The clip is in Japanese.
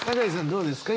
どうですか？